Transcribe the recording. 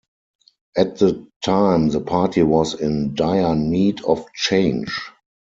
At the time, the party was in dire need of change.